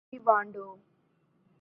ایوانڈو